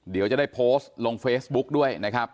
เดี๋ยวจะได้โพสต์ลงเฟซบุ๊กด้วยนะครับ